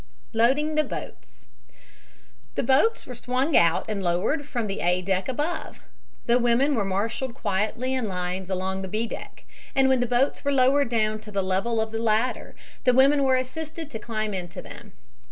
LOADING THE BOATS The boats were swung out and lowered from the A deck above. The women were marshaled quietly in lines along the B deck, and when the boats were lowered down to the level of the latter the women were assisted to climb into them.